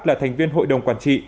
là thành viên hội đồng quản trị